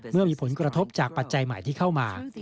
เมื่อมีผลกระทบจากปัจจัยใหม่ที่เข้ามา